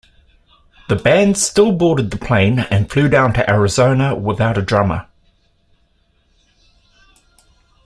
The band still boarded the plane and flew down to Arizona without a drummer.